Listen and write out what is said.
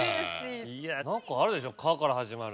いや何かあるでしょ「か」から始まる。